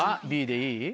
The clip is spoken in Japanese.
Ｂでいい？